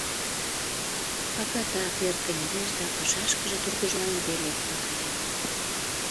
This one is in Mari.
Акатат эр кынелеш да пашашкыже тургыжланыде лектын кая.